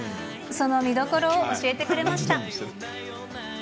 その見どころを教えてくれました。